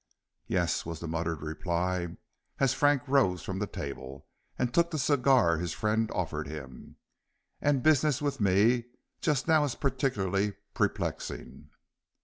"Yes," was the muttered reply, as Frank rose from the table, and took the cigar his friend offered him. "And business with me just now is particularly perplexing.